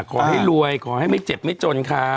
ขอให้รวยขอให้ไม่เจ็บไม่จนค่ะ